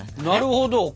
なるほど。